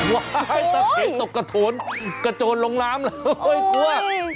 ว้ายต้องเขียนตกกระโทนกระโทนลงร้ำแล้วโอ๊ยกลัว